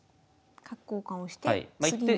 角交換をして次に。